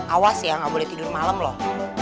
awas ya nggak boleh tidur malam loh